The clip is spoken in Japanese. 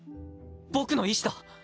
僕の意思だ。